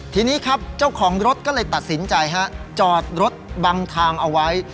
ทีนี้ครับเจ้าของรถก็เลยตัดสินใจฮะจอดรถบังทางเอาไว้